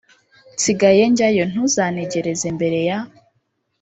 nsigaye njyayo ntuzantegereze mbere ya